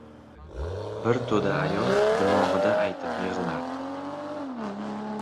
Bir to‘da ayol dimog‘ida aytib yig‘lardi.